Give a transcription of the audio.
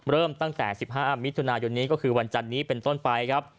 เริ่มตั้งแต่๑๕มิถุนายนนี้ก็คือวันจันนี้เป็นต้นไปครับ